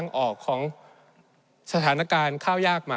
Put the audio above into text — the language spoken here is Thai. ในช่วงที่สุดในรอบ๑๖ปี